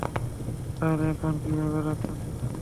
তাহলে এখন কীভাবে রাগ করতে পারি?